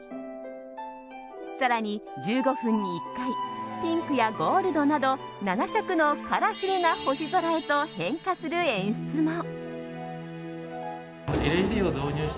更に、１５分に１回ピンクやゴールドなど７色のカラフルな星空へと変化する演出も。